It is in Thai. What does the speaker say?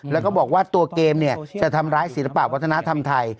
แล้วก็บอกว่าตัวเกมจะทำร้ายศิลปะวัฒนธรรมไทย